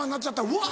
「うわ！」